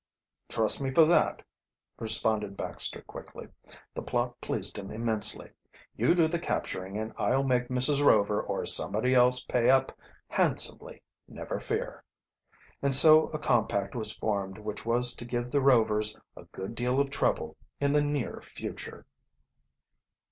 "Trust me for that," responded Baxter quickly. The plot pleased him immensely. "You do the capturing and I'll make Mrs. Rover or somebody else pay up handsomely, never fear." And so a compact was formed which was to give the Rovers a good deal of trouble in the near future.